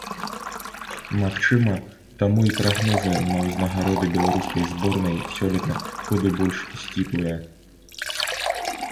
Магчыма, таму і прагнозы на ўзнагароды беларускай зборнай сёлета куды больш сціплыя.